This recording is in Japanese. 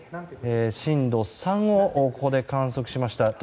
震度３をここで観測しました。